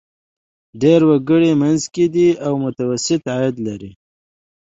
ډېری وګړي منځ کې دي او متوسط عاید لري.